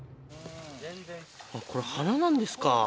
これ、花なんですか。